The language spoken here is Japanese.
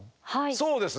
そうですね。